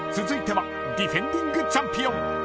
［続いてはディフェンディングチャンピオン］